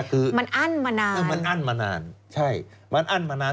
คือมันอั้นมานานเออมันอั้นมานานใช่มันอั้นมานาน